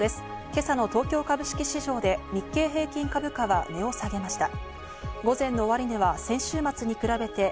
今朝の東京株式市場で日経平均株価は値を下げました。